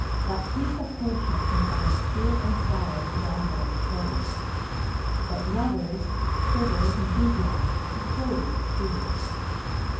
Baptista Portia confines fear and sorrow to them that are cold; but lovers, Sibyls, enthusiasts, he wholly excludes.